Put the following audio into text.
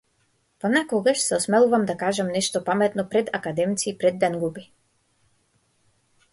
Понекогаш се осмелувам да кажам нешто паметно пред академици и пред денгуби.